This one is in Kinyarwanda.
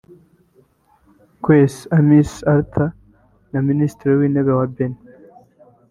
Kwesi Amissah-Arthur na Minisitiri w’Intebe wa Benin